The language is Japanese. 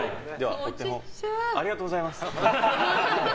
ありがとうございます。